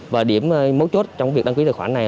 và điểm mấu chốt trong việc đăng ký tài khoản này